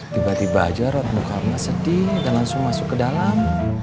tiba tiba aja ratmu karena sedih dan langsung masuk ke dalam